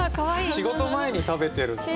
仕事前に食べてるのかなとか。